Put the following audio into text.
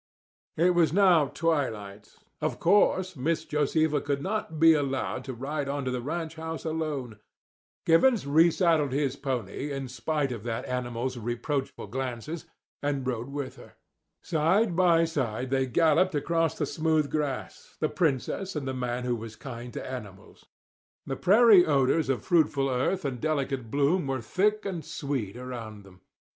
It was now twilight. Of course Miss Josefa could not be allowed to ride on to the ranch house alone. Givens resaddled his pony in spite of that animal's reproachful glances, and rode with her. Side by side they galloped across the smooth grass, the princess and the man who was kind to animals. The prairie odours of fruitful earth and delicate bloom were thick and sweet around them.